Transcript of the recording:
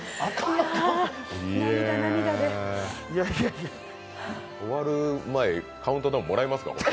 いやー終わる前カウントダウンもらいますか。